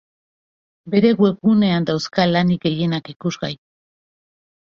Bere webgunean dauzka lanik gehienak ikusgai.